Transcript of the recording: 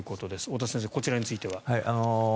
太田先生、こちらについては？